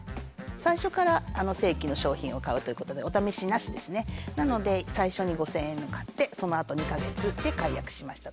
最初から正規の商品を買うということでおためしなしですねなので最初に５，０００円のを買ってそのあと２か月で解約しました。